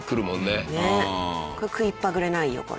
そうね食いっぱぐれないよねこれは。